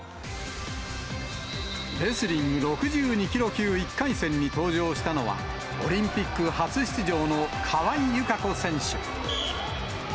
レスリング６２キロ級１回戦に登場したのは、オリンピック初出場の川井友香子選手。